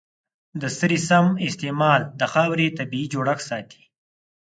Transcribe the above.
د سرې سم استعمال د خاورې طبیعي جوړښت ساتي.